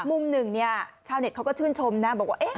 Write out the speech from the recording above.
มุมหนึ่งเนี่ยชาวเน็ตเขาก็ชื่นชมนะบอกว่า